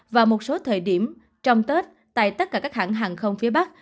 và một số thời điểm trong tết tại tất cả các hãng hàng không phía bắc